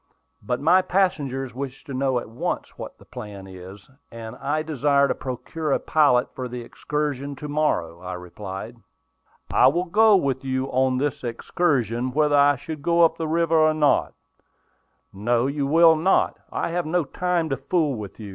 "But my passengers wish to know at once what the plan is, and I desire to procure a pilot for the excursion to morrow," I replied. "I will go with you on the excursion, whether I go up the river or not." "No, you will not. I have no time to fool with you.